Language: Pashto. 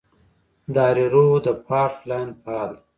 د هریرود فالټ لاین فعال دی